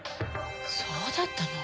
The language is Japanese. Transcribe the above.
そうだったの？